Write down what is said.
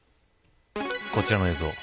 こちらの映像。